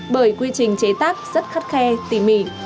bởi quy trình chế tác rất khắt khe tỉ mỉ